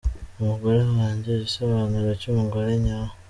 Umugore wanjye, igisobanuro cy’umugore nyawe !